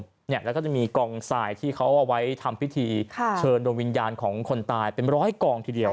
แล้วก็จะมีกองทรายที่เขาเอาไว้ทำพิธีเชิญดวงวิญญาณของคนตายเป็นร้อยกองทีเดียว